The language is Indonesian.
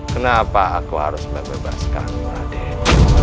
kenapa aku harus membebaskanmu raden